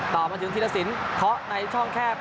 ต่อมาถึงธีรสินเคาะในช่องแคบ